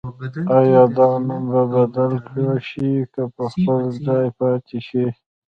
آیا دا نوم به بدل کړل شي که په خپل ځای پاتې شي؟